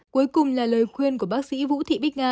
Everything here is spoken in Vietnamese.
cuối cùng là lời khuyên của bác sĩ vũ thị bích nga